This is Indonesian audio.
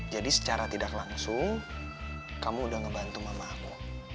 jadi secara tidak langsung kamu udah ngebantu mama aku